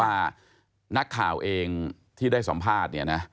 ว่านักข่าวเองที่ได้สัมภาษณ์เนี่ยนะ